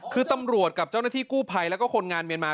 คือตำรวจกับเจ้าหน้าที่กู้ภัยแล้วก็คนงานเมียนมา